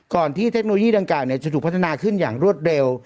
ที่เทคโนโลยีดังกล่าวจะถูกพัฒนาขึ้นอย่างรวดเร็ว